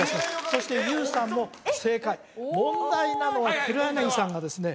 そしてＹＯＵさんも正解えっ問題なのは黒柳さんがですね